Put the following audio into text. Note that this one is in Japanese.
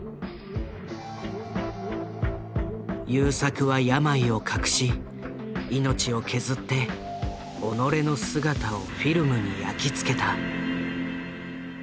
優作は病を隠し命を削って己の姿をフィルムに焼き付けた。